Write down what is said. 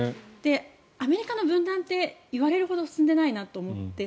アメリカの分断って言われるほど進んでないなと思って。